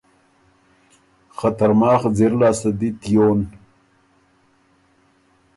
خه ترماخ ځِر لاسته دی تیون۔